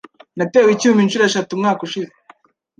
Natewe icyuma inshuro eshatu umwaka ushize